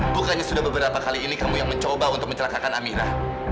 bukannya sudah beberapa kali ini kamu yang mencoba untuk mencelakakan amira